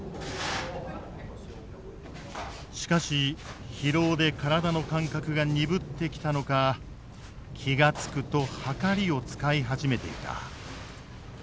しかし疲労で体の感覚が鈍ってきたのか気が付くと秤を使い始めていた。